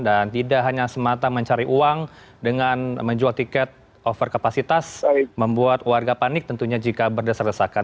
dan tidak hanya semata mencari uang dengan menjual tiket overkapasitas membuat warga panik tentunya jika berdeser desakan